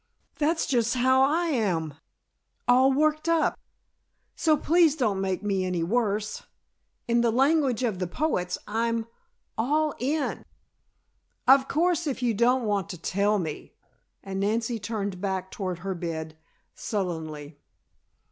"That's just how I am; all worked up, so please don't make me any worse. In the language of the poets, I'm 'all in!'" "Of course, if you don't want to tell me," and Nancy turned back toward her bed, sullenly.